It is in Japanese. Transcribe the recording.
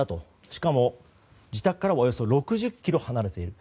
しかも、自宅からはおよそ６０ｋｍも離れている。